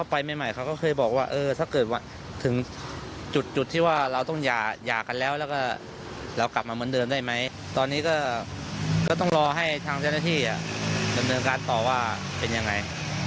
รอให้ทางเจ้าหน้าที่ดำเนินการต่อว่าเป็นยังไง